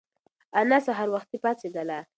انا سهار وختي پاڅېدله.